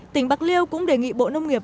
tỉnh bạc liêu cũng đề nghị bộ nông nghiệp